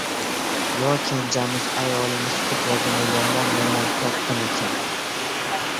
Yo, kenjamiz ayolimiz ko‘kragini yomon- yomon tortdimikin?...